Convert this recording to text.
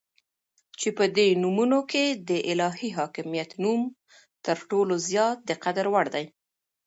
چې په دي نومونو كې دالهي حاكميت نوم تر ټولو زيات دقدر وړ دى